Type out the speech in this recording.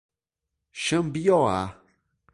Xambioá